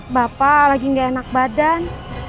bapak lagi nggak enak badan